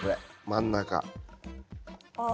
真ん中。